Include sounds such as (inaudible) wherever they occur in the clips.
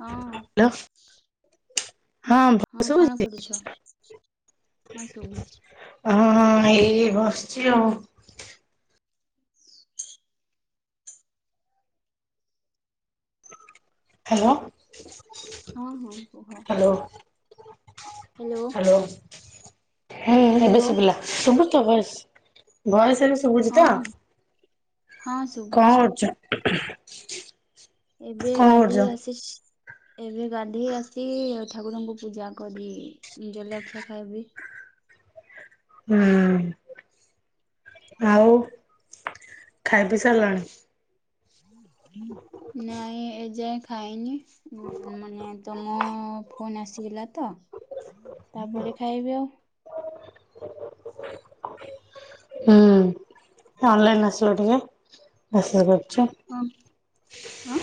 ହଁ ହଁ ଭଏସ କଣ ଶୁଭୁଛି କରୁଛ? ହଁ ସୁଭୁଛି। ହଁ ଏଇ ବସିଛି ଆଉ। ହ୍ୟାଲୋ ହଁ ହଁ କୁହ ହ୍ୟାଲୋ। ହ୍ୟାଲୋ। ହୁଁ ଏବେ ହ୍ୟାଲୋ। ଶୁ ବିଲା ଶୁଭୁ ତ ବଏସ ଭୟେଶେ ହଁ ଶୁଭୁଛିତ। ହଁ ହଁ ଶୁଭୁଛି କଣ କରୁଛ? ଏବେ କଣ ଗାଧେଇ କରୁଛ ଆସିଛି। ଏବେ ଗାନ୍ଧି ଆସିଚି ଠାକୁରଙ୍କୁ ପୂଜା କରି ଜଲରଖିଆ ଖାଇବି। ହୁଁ ଆଉ ଖାଇ ପି ସାରିଲାଣି। ନାଇଁ ଏ ଯାଏ ଖାଇନି ମାନେ ତମ କଣ ଆସିଗଲା ତ ତାପରେ ଖାଇବି ଆଉ। ହୁଁ ଅନଲାଇନ ଆସିଲ ଟିକେ। ଆଶା କରୁଛୁ। ହଁ ଆଁ।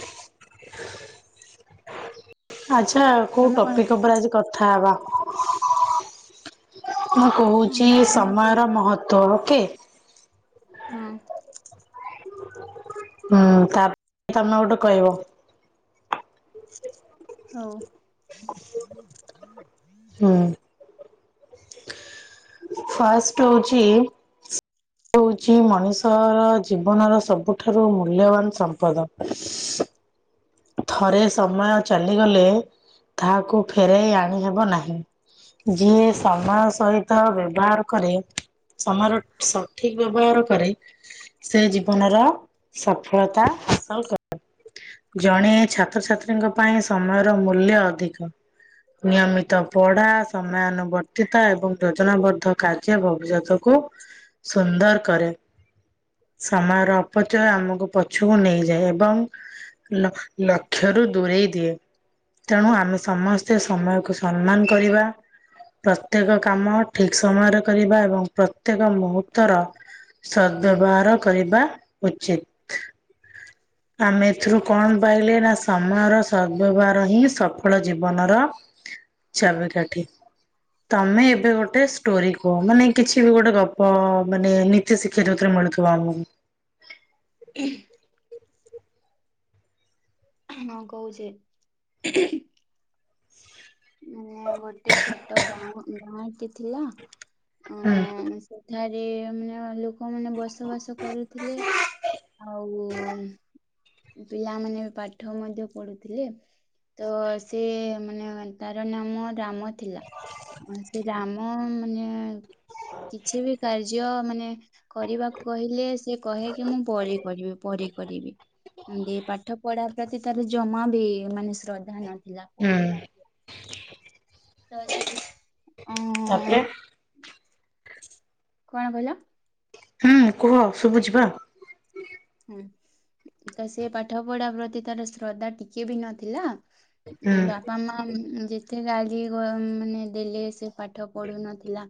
ଆଚ୍ଛା କୋଉ ତମେ କଣ କର ଟପିକ ଉପରେ ଆଜି କଥା ହେବା? ମୁଁ କହୁଛି ହଁ ତମେ କୁହ ସମୟର ମହତ୍ଵ ଓକେ। ହଁ। ହୁଁ ତାପ ତମେ ଗୋଟେ କହିବ। ହଉ। ହଁ। ଫାଷ୍ଟ ହେଉଛି ହଉଛି ମଣିଷର ଜୀବନର ସବୁଠାରୁ ମୂଲ୍ୟବାନ ସମ୍ପଦ। ଥରେ ସମୟ ଚାଲିଗଲେ ତାହାକୁ ଫେରାଇ ଆଣି ହେବ ନାହିଁ। ଯିଏ ସମୟ ସହିତ ବ୍ୟବହାର କରେ ସମାର ସଠିକ ବ୍ୟବହାର କରେ ସେ ଜୀବନର ସଫଳତା ହାସଲ କ ଜଣେ ଛାତ୍ରଛାତ୍ରୀଙ୍କ ପାଇଁ ସମୟର ମୂଲ୍ୟ ଅଧିକ। ନିୟମିତ ପଢା, ସମୟାନୁବର୍ତ୍ତିତା ଏବଂ ଯୋଜନାବଦ୍ଧ କାର୍ଯ୍ୟ ଭବିଷ୍ୟତକୁ ସୁନ୍ଦର କରେ। ସମୟର ଅପଚୟ ଆମକୁ ପଛକୁ ନେଇଯାଏ ଏବଂ ଲ ଲକ୍ଷରୁ ଦୂରେଇ ଦିଏ। ତେଣୁ ଆମେ ସମସ୍ତେ ସମୟକୁ ସମ୍ମାନ କରିବା ପ୍ରତ୍ୟେକ କାମ ଠିକ ସମୟରେ କରିବା ଏବଂ ପ୍ରତ୍ୟେକ ମୁହୂର୍ତ୍ତର ସଦ୍ବ୍ୟବହାର କରିବା ଉଚିତ। ଆମେ ଏଥିରୁ କଣ ପାଇଲେ ନା ସମୟର ସଦ୍ବ୍ୟବହାର ହିଁ ସଫଳ ଜୀବନର ଚାବି କାଠି। ତମେ ଏବେ ଗୋଟେ ଷ୍ଟୋରି କୁହ ମାନେ କିଛି ବି ଗୋଟେ ଗପ ମାନେ ନୀତି ଶିକ୍ଷା ଯୋଥିରେ ମିଳୁ ଥିବ ଆମକୁ। କେ। ହଁ କହୁଛି। ମାନେ ଗୋଟେ ଛୋଟ ଗାଁ ଗାଁଟି ଥିଲା ହଁ। ଅ ସେଠାରେ ମାନେ ଲୋକମାନେ ବସବାସ କରୁଥିଲେ। ଆଉ ପିଲାମାନେ ପାଠ ମଧ୍ୟ ପଢୁଥିଲେ ତ ସେ ମାନେ ତାର ନାମ ରାମ ଥିଲା ସେ ରାମ ମାନେ କିଛି ବି କାର୍ଯ୍ୟ ମାନେ କରିବାକୁ କହିଲେ ସେ କହେ କି ମୁଁ ପରେ କରିବି ପରେ କରିବି। ଦ ପାଠ ପଢା ପ୍ରତି ତାର ଜମା ବି ମାନେ ଶ୍ରଦ୍ଧା ନଥିଲା ହୁଁ ପଢୁନ ତ ଅ ତାପରେ? କଣ କହିିଲ? ହୁଁ କୁହ ଶୁବୁଛି ବା। ହୁଁ ତ ସେ ପାଠ ପଢା ପ୍ରତି ତାର ଶ୍ରଦ୍ଧା ଟିକେ ବି ନଥିଲା। ହୁଁ ବା ବାପା ମାମା ଯେତେ ଗାଳି ଗ ମାନେ ଦେଲେ ସେ ପାଠ ପଢୁ ନଥିଲା।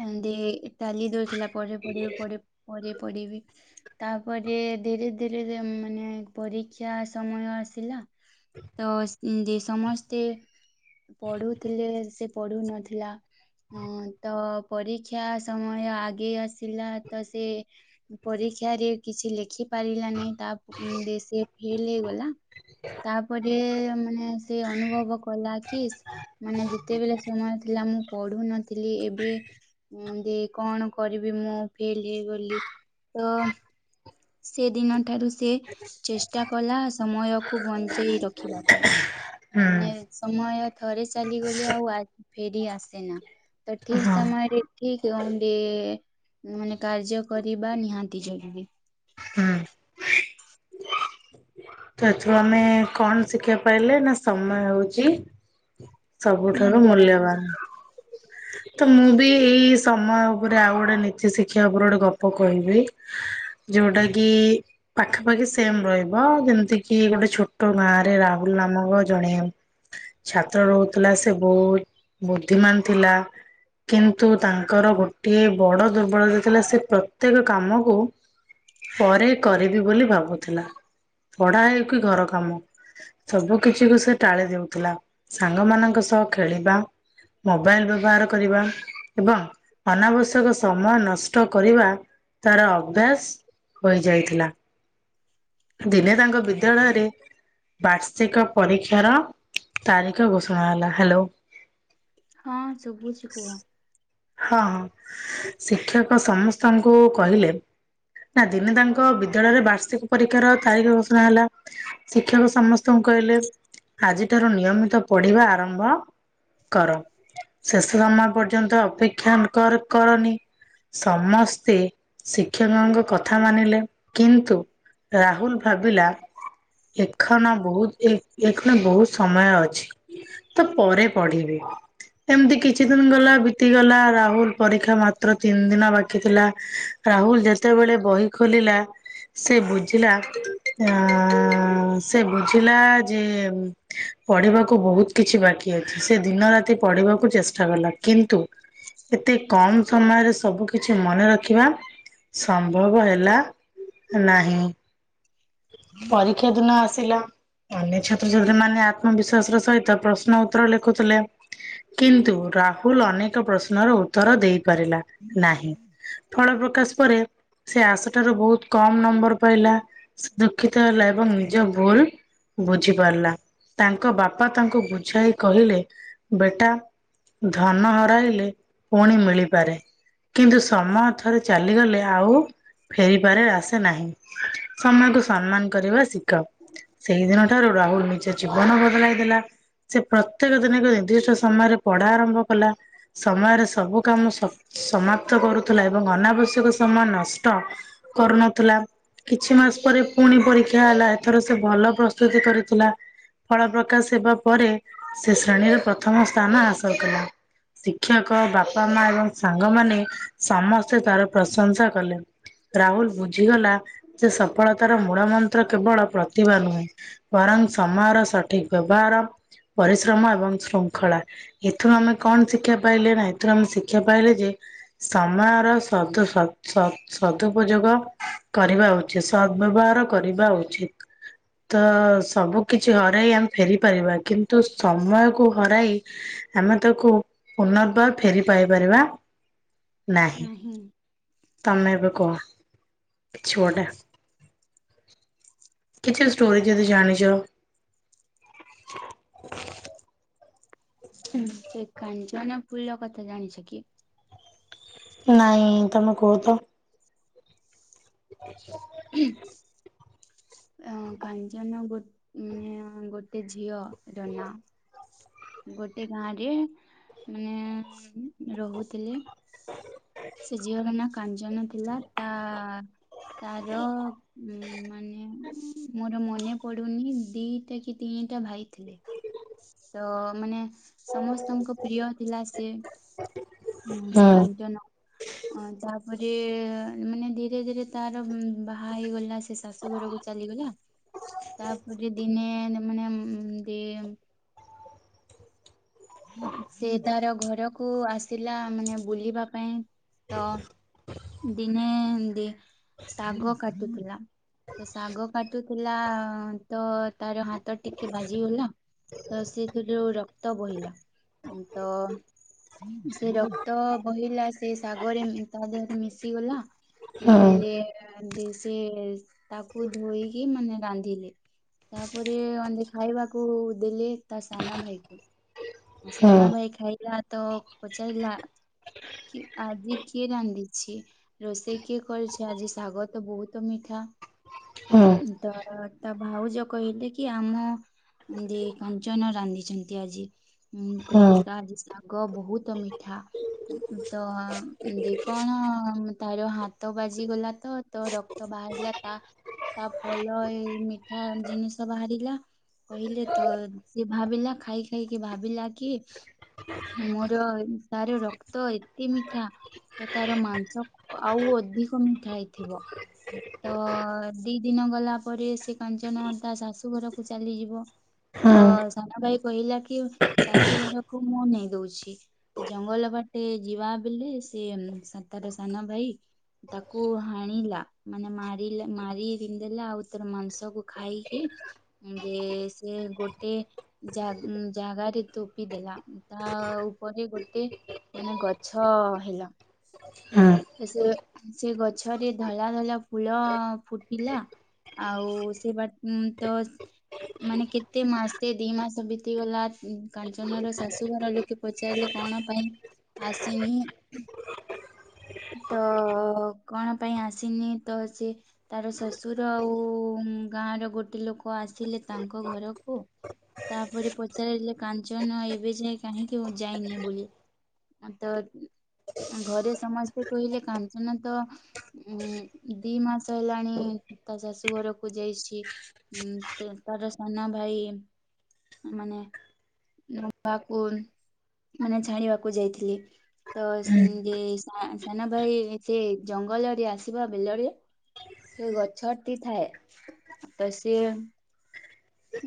ଏମିତି ଟାଲି ଦଉଥିଲା ପରେ ପଡ଼ିବି ପଢିବି ପରେ ପଢ଼ିବି ପଢିବି। ତାପରେ ଧୀରେ ଧୀରେ ମାନେ ପରୀକ୍ଷା ସମୟ ଆସିଲା ତ ଦି ସମସ୍ତେ ପଢୁଥିଲେ ସେ ପଢୁ ନଥିଲା ହଁ ତ ପରୀକ୍ଷା ସମୟ ଆଗେଇ ଆସିଲା ତ ସେ ପରୀକ୍ଷାରେ କିଛି ଲେଖି ପାରିଲା ନାହିଁ ତା ପ ସେ ଫେଲ ହେଇଗଲା। ତାପରେ ମାନେ ସେ ଅନୁଭବ କଲା କି ମାନେ ଯେତେବେଳେ ସମୟ ଥିଲା ମୁଁ ପଢୁ ନଥିଲି ଏବେ ଦେଇ କଣ କରିବି ମୁଁ ଫେଲ ହେଇଗଲି ତ ସେ ଦିନ ଠାରୁ ସେ ଚେଷ୍ଟା କଲା ସମୟ କୁ ବଞ୍ଚେଇ ରଖିବା ପାଇଁ। ହୁଁ ମାନେ ସମୟ ଥରେ ଚାଲିଗଲେ ଆଉ ଆ ଫେରି ଆସେନା। ତ ଠିକ ହଁ ସମୟରେ ଠିକଣ୍ଡେ ମାନେ କାର୍ଯ୍ୟ କରିବା ନିହାତି ଜରୁ ଆଜ୍ଞା। ହୁଁ ତ ଏଥିରୁ ଆମେ କଣ ଶିଖିବା ପାଇଲେ ନା ସମୟ ହଉଛି ସବୁଠାରୁ ମୂଲ୍ୟବାନ। (inaudible) ତ ମୁଁ ବି ଏଇ ସମୟ ଉପରେ ଆଉ ଗୋଟେ ନୀତି ଶିଖିବା ଉପରେ ଗୋଟେ ଗପ କହିବି। ଯୋଉଟା କି ପାଖାପାଖି ସେମ ରହିବ ଯେମିତି ତିକୀ ଗୋଟେ ଛୋଟ ଗାଁ ରେ ରାହୁଲ ନାମକ ଜଣେ ଛାତ୍ର ରହୁଥିଲା ସେ ବହୁତ ବୁଦ୍ଧିମାନ ଥିଲା। କିନ୍ତୁ ତାଙ୍କର ଗୋଟିଏ ବଡ ଦୁର୍ବଳତା ଥିଲା ସେ ପ୍ରତ୍ୟେକ କାମକୁ ପରେ କରିବି ବୋଲି ଭାବୁଥିଲା। ପଢା ହେଉ କି ଘର କାମ। ସବୁ କିଛି କୁ ସେ ଟାଳି ଦଉଥିଲା ସାଙ୍ଗମାନାଙ୍କ ସହ ଖେଳିବା ମୋବାଇଲ୍ ବ୍ୟବହାର କରିବା, ଏବଂ ଅନାବଶ୍ୟକ ସମୟ ନଷ୍ଟ କରିବା ତାର ଅଭ୍ୟାସ ହୋଇଯାଇଥିଲା। ଦିନେ ତାଙ୍କ ବିଦ୍ୟାଳୟରେ ବାର୍ଷିକ ପରୀକ୍ଷାର ତାରିଖ ଘୋଷଣା ହେଲା। ହ୍ୟାଲୋ। ହଁ ସୁବୁଛି କୁହ? ହଁ ହଁ ଶିକ୍ଷକ ସମସ୍ତଙ୍କୁ କହିଲେ? ନା ଦିନେ ତାଙ୍କ ବିଦ୍ୟାଳୟରେ ବାର୍ଷିକ ପରୀକ୍ଷାର ତାରିଖ ଘୋଷଣା ହେଲା। ଶିକ୍ଷକ ସମସ୍ତଙ୍କୁ କହିଲେ ଆଜିଠାରୁ ନିୟମିତ ପଢିବା ଆରମ୍ଭ କର ଶେଷ ସମୟ ପର୍ଯ୍ୟନ୍ତ ଅପେକ୍ଷା କର କର କରନି। ସମସ୍ତେ ଶିକ୍ଷକଙ୍କ କଥା ମାନିଲେ। କିନ୍ତୁ ରାହୁଲ୍ ଭାବିଲା ଏଖନ ବହୁତ ଏ ଏଖଣ ବହୁତ ସମୟ ଅଛି। ତ ପରେ ପଢିବି ଏମିତି କିଛି ଦିନ ଗଲା। ବିତି ଗଲା ରାହୁଲ୍ ପରୀକ୍ଷା ମାତ୍ର ତିନି ଦିନ ବାକି ଥିଲା ରାହୁଲ୍ ଯେ ଯେତେବେଳେ ବହି ଖୋଲିଲା। ସେ ବୁଝିଲା ଆ ସେ ବୁଝିଲା ଯେ ପଢିବାକୁ ବହୁତ କିଛି ବାକି ଅଛି। ସେ ଦିନ ରାତି ପଢିବାକୁ ଚେଷ୍ଟା କଲା। କିନ୍ତୁ ଏତେ କମ୍ ସମୟରେ ସବୁ କିଛି ମନେ ରଖିବା ସମ୍ଭବ ହେଲା ନାହିଁ ପରୀକ୍ଷା ଦିନ ଆସିଲା। ଅନେକ ଛାତ୍ରଛାତ୍ରୀ ମାନେ ଆତ୍ମବିସ୍ୱାସ ର ସହିତ ପ୍ରଶ୍ନ ଉତ୍ତର ଲେଖୁଥିଲେ। କିନ୍ତୁ ରାହୁଲ୍ ଅନେକ ପ୍ରଶ୍ନର ଉତ୍ତର ଦେଇପାରିଲା ନାହିଁ। ଫଳ ପ୍ରକାଶ ପରେ ସେ ଆସାଟାରୁ ବହୁତ କମ୍ ନମ୍ବର ପାଇଲା। ସୁ ଦୁଃଖିତ ହେଲା। ଏବଂ ନିଜ ଭୁଲ ବୁଝି ପାରିଲା ତାଙ୍କ ବାପା ତାଙ୍କୁ ବୁଝାଇ କହିଲେ ବେଟା ଧନ ହରାଇଲେ ପୁଣି ମିଳିପାରେ। କିନ୍ତୁ ସମୟ ଥରେ ଚାଲିଗଲେ ଆଉ ଫେରିବାରେ ଆସେ ନାହିଁ। ସମୟକୁ ସମ୍ମାନ କରିବା ଶିଖ। ସେଇଦିନ ଠାରୁ ରାହୁଲ୍ ନିଜ ଜୀବନ ବଦଳାଇ ଦେଲା। ସେ ପ୍ରତ୍ୟେକ ଦିନ ନିର୍ଦ୍ଦିଷ୍ଟ ସମୟରେ ପଢା ଆରମ୍ଭ କଲା। ସମୟରେ ସବୁ କାମ ସମାପ୍ତ କରୁଥିଲା। ଏବଂ ଅନାବଶ୍ୟକ ସମୟ ନଷ୍ଟ କରୁନଥିଲା। କିଛି ମାସ ପରେ ପୁଣି ପରୀକ୍ଷା ହେଲା। ଏଥର ସେ ଭଲ ପ୍ରସ୍ତୁତି କରିଥିଲା। ଫଳ ପ୍ରକାଶ ହେବା ପରେ ସେ ଶ୍ରେଣୀର ପ୍ରଥମ ସ୍ଥାନ ହାସଲ କଲା। ଶିକ୍ଷକ ବାପା ମା ଏବଂ ସାଙ୍ଗମାନେ ସମସ୍ତେ ତାର ପ୍ରଶଂସା କଲେ। ରାହୁଲ ବୁଝିଗଲା ଯେ ସଫଳତାର ମୂଳ ମନ୍ତ୍ର କେବଳ ପ୍ରତିଭା ନୁହେଁ। ବରଂ ସମାର ସଠିକ୍ ବ୍ୟବହାର। ପରିଶ୍ରମ ଏବଂ ଶୃଙ୍ଖଳା। ଏଥିରୁ ଆମେ କଣ ସି ଶିକ୍ଷା ପାଇଲେ? ନାଇଁ ଏଥିରୁ ଆମେ ଶିକ୍ଷା ପାଇଲେ ଯେ ସମୟର ସଦୁ ସ ସ ସଦୁ ସଦୁପଯୋଗ କରିବା ଉଚିତ। ସଦ୍ ବ୍ୟବହାର କରିବା ଉଚିତ ତ ସବୁ କିଛି ହରେଇ ଆମେ ଫେରି ପାରିବା। କିନ୍ତୁ ସମୟକୁ ହରାଇ ଆମେ ତାକୁ ପୁନର୍ବାର ଫେରି ପାଇ ପାରିବା ନାହିଁ। ତମେ ଏବେ କୁହ କିଛି ଗୋଟେ? କିଛି ଷ୍ଟୋରି ଯଦି ଜାଣିଛ? ସେ କଞ୍ଚାନ ଫୁଲ କଥା ଜାଣିଛ କି? ନାଇଁ ତମେ କୁହ ତ? (unintelligible) ଅ କାଞ୍ଚନ ଗୋଟେ ଝିଅ ର ନା। ଗୋଟେ ଗାଁରେ ମାନେ ରହୁଥିଲେ। ସେ ଝିଅଟା ନାଁ କାଞ୍ଜନ ଥିଲା ତା ତାର ଉଁ ମାନେ ମୋର ମନେ ପଡୁନି ଦିଟା କି ତିଁଟା ଭାଇ ଥିଲେ। ତ ମାନେ ସମସ୍ତଙ୍କ ପ୍ରିୟ ଥିଲା ସେ ଉଁ ସେ ହୁଁ କାଞ୍ଚନ। ଅଁ ତାପରେ ମାନେ ଧୀରେ ଧୀରେ ତାର ମ୍ ବାହା ହେଇଗଲା ସେ ସେ ଶାଶୁ ଘରକୁ ଚାଲିଗଲା ତାପରେ ଦିନେ ନ ମାନେ ଆମ୍ ଦେ ସେ ତାର ଘରକୁ ଆସିଲା ମାନେ ବୁଲିବା ପାଇଁ ତ ଦିନେ ଦେ ଶାଗ କାଟୁଥିଲା। ତ ଶାଗ କାଟୁଥିଲା ତ ତାର ହାତ ଟିକେ ବାଜିଗଲା ତ ସେଇଥିରୁ ରକ୍ତ ବହିଲା ତ ସେ ରକ୍ତ ବହିଲା ସେ ଶାଗରେ ମିତା ଦେହ ମିଶିଗଲା ହୁଁ ବେଲେ ଦେ ସେ ତାକୁ ଧୋଇକି ମାନେ ରାନ୍ଧିଲେ ତାପରେ ଅନ ଖାଇବାକୁ ଦେଲେ ତା ସାନ ଭାଇକୁ ହୁଁ ସାନ ଭାଇ ଖାଇ ପ୍ଳା ତ ପଚାରିଲା କି ଆଜି କିଏ ରାନ୍ଧି ଛି ରୋଷେଇ କିଏ କରିଛି, ଆଜି ଶାଗ ତ ବହୁତ ମିଠା। ହୁଁ। ତା ତା ଭାଉଜ କହିଲେ କି ଆମ ଦେଇ କାଞ୍ଚନ ରାନ୍ଧିଛନ୍ତି ଆଜି। ଉଁ ହୁଁ କହିଲେ ହୁଁ। ତା ଆଜି ଶାଗ ବହୁତ ମିଠା ଉଁ ଉଁ ତ ଆଁ ଉଁ ଉଁ ଯେ କଣ ତାର ହାତ ବାଜିଗଲା ତ ତ ରକ୍ତ ବାହାରିଲା ତା ତା ଫଲ ଏଇ ମିଠା ଜିନିଷ ବାହାରିଲା। କହିଲେ ତ ସିଏ ଭାବିଲା ଖାଇ ଖାଇକି ଭାବିଲା କି ମୋର ତାର ରକ୍ତ ଏତେ ମିଠା। ତ ତାର ମାଂସ ଅ ଆଉ ଅଧିକ ମିଠା ହେଇଥିବ। ତ ଦି ଦିନ ଗଲା ପରେ ସେ କାଞ୍ଚନ ତା ଶାଶୁ ଘରକୁ ଚାଲିଯିବ। ତ ହଁ ସାନ ଭାଇ କହିଲା କି ଶାଶୁ ଘରକୁ ମୁଁ ନେଇ ଦଉଛି। ତ ଜଙ୍ଗଲ ବାଟେ ଯିବା ବେଲେ ସେ ସାତାର ସାନ ଭାଇ ତାକୁ ହାଣିଲା, ମାନେ ମାରିଲା ମାରିି ରିନ୍ଧେଲା ଆଉ ତାର ମାଂସକୁ ଖାଇକି ଉଁ ଯେ ସେ ଗୋଟେ ଜା ଜାଗାରେ ତୋପି ଦେଲା ତା ଉପରେ ଗୋଟେ ମାନେ ଗଛ ହେଲା। ହଁ। ସେ ସେ ଗଛରେ ଧଳା ଧଳା ଫୁଲ ଫୁଟିଲା। ଆଉ ସେ ବା ଟ ତ ମାନେ କେତେ ମାସେ ଦି ମାସ ବିତିଗଲା ଉଁ କାଞ୍ଚନ ର ଶାଶୁଘର ଲୋ ତ ପଚାରିଲେ କଣ ପାଇଁ ଆସିନି? ତ କଣ ପାଇଁ ଆସିନି ତ ସେ ତାର ଶ୍ୱଶୁର ଆଉ ଗାଁ ର ଗୋଟେ ଲୋକ ଆସିଲେ ତାଙ୍କ ଘରକୁ। ତାପରେ ପଚାରିଲେ କାଞ୍ଚନ ଏବେ ଯାଏ କାହିଁକି ଅଁ ଯାଇନି ବୋଲି। ଆଁ ତ ଘରେ ସମସ୍ତେ କହିଲେ କାଞ୍ଚନ ତ ଉଁ ଦି ମାସ ହେଲାଣି ତା ଶାଶୁ ଘରକୁ ଯାଇଛି। ଉଁ ତେ ତାର ସାନ ଭାଇ ମାନେ ନା ମୁ ବାକୁ ମାନେ ଛାଡିବାକୁ ଯାଇଥିଲି ତ ଉଁ ଯେ ସା ସାନ ଭାଇ ସେ ଜଙ୍ଗଲରେ ଆସିବା ବେଲରେ ସେ ଗଛଟି ଥାଏ ତ ସିଏ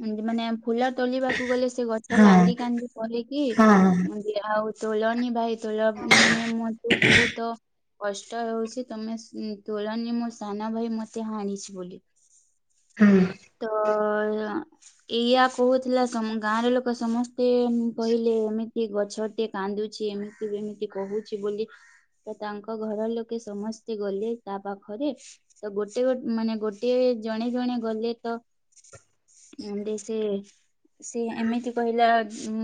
ଏମତି ମାନେ ଫୁଲ ତୋଲିବାକୁ ଗଲେ ସେ ଗଛ ହଁ କାନ୍ଦି କାନ୍ଦି କହେକି ହଁ ବୀହାଉ ତୋଲନି ଭାଇ ତୋଲ ମାନେ ମତେ ବହୁତ କଷ୍ଟ ହଉଛି ତମେ ତୁଳନି ମୋ ସାନ ଭାଇ ମତେ ହାଣିଛି ବୋଲି। ତ ଏଇୟା କହୁଥିଲା ସମ୍ ଗାଁର ଲୋକ ସମସ୍ତେ କହିଲେ ଏମି କି ଗଛଟେ କାନ୍ଦୁଛି ଏମିତି ଏମିତି କହୁଛି ବୋଲି। ତ ତାଙ୍କ ଘର ଲୋକେ ସମସ୍ତେ ଗଲେ ତା ପାଖରେ ତ ଗୋଟେ ଗୋଟେ ମାନେ ଗୋଟିଏ ଜଣେ ଜଣେ ଗଲେ ତ ଆମ୍ ଦେ ସେ ସିଏ ଏମିତି କହିଲା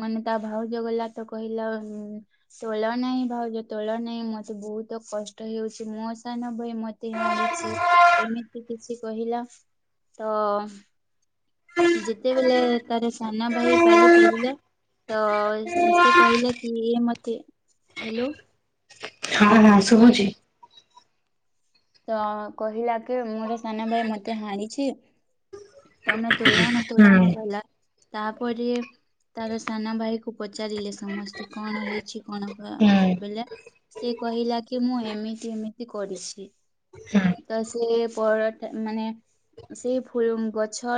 ମାନେ ତା ଭାଉଜ ଗଲା ତ କହିଲା ଉଁ ତୋଳ ନାହିଁ ଭାଉଜ ତୋଳ ନାହିଁ ମତେ ବହୁତ କଷ୍ଟ ହେଉଛି ମୋ ସାନ ବହି ମ ତେ ହାଣିଛି ଏମିତି କିଛି କହିଲା ତ ଯେତେବେଳେ ତାର ସାନ ଭାଇ ପାଳି ପଡିଲା ତ ସେ କହିଲା କି ଇଏ ମତେ ହ୍ୟାଲୋ। ହାଁ ଶୁଭୁଛି। ତ କହିଲା କି ମୁଁ ସାନ ଭାଇ ମତେ ହାଣିଛି। ତମେ ତୁଳନା ହୁଁ ତୁଳନ। କହିଲ। ତାପରେ ତାର ସାନ ଭାଇକୁ ପଚାରିଲି ସମସ୍ତେ କଣ ହେଇଛି କଣ ହୁଁ ବେଲେ ସେ କହିଲା କି ମୁଁ ଏମିତି ଏମିତି କରିଛି। ହୁଁ। ତ ସେ ପରଟା ମାନେ ସେ ଫିଲ୍ମ୍ ଗଛ।